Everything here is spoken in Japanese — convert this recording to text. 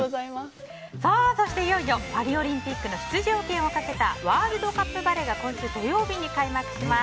そして、いよいよパリオリンピックの出場権をかけたワールドカップバレーが今週土曜日に開幕します。